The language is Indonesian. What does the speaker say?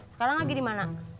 sekarang lagi dimana